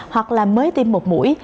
hoặc là mới tiêm một mũi